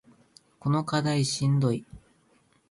この課題しんどい